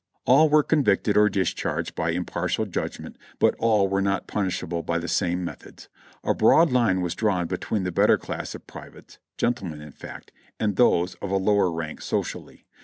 All were convicted or discharged by impartial judgment, but all were not punishable by the same methods. A broad line was drawn between the better class of privates (gentlemen, in fact) and those of a lower rank socially.